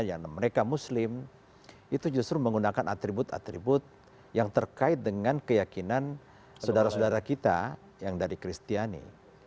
yang mereka muslim itu justru menggunakan atribut atribut yang terkait dengan keyakinan saudara saudara kita yang dari kristiani